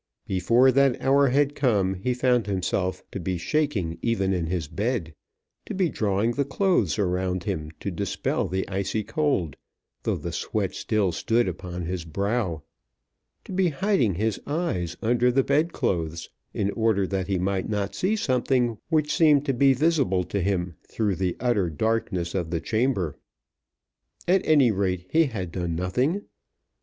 Before that hour had come he found himself to be shaking even in his bed; to be drawing the clothes around him to dispel the icy cold, though the sweat still stood upon his brow; to be hiding his eyes under the bed clothes in order that he might not see something which seemed to be visible to him through the utmost darkness of the chamber. At any rate he had done nothing!